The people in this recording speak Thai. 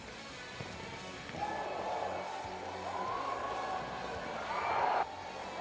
สวัสดีทุกคน